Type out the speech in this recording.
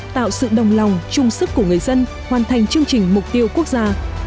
tạo sự đồng lòng chung sức của người dân hoàn thành chương trình mục tiêu quốc gia